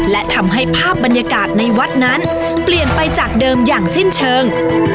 และทำให้ภาพบรรยากาศในวัดนั้นเปลี่ยนไปจากเดิมอย่างสิ้นเชิง